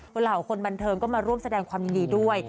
เหล่าคนบันเทิงก็มาร่วมแสดงความยินดีด้วย